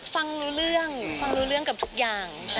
ฟังรู้เรื่องฟังรู้เรื่องกับทุกอย่าง